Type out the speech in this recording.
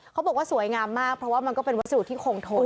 เขาบอกว่าสวยงามมากเพราะว่ามันก็เป็นวัสดุที่คงทน